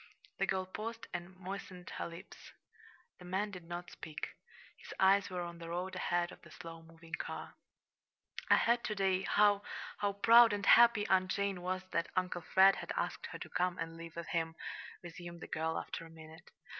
The girl paused and moistened her lips. The man did not speak. His eyes were on the road ahead of the slow moving car. "I heard to day how how proud and happy Aunt Jane was that Uncle Fred had asked her to come and live with him," resumed the girl, after a minute.